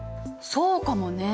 そうかもね。